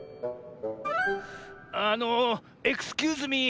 あのエクスキューズミー。